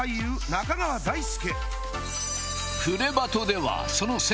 中川大輔